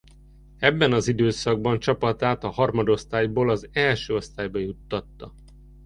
Ebben az időszakban csapatát a harmadosztályból az első osztályba juttatta.